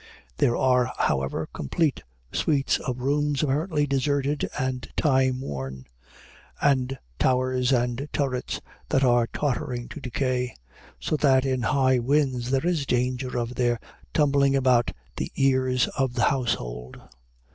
There are, however, complete suites of rooms apparently deserted and time worn; and towers and turrets that are tottering to decay; so that in high winds there is danger of their tumbling about the ears of the household.